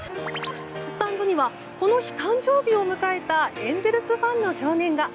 スタンドにはこの日誕生日を迎えたエンゼルスファンの少年が。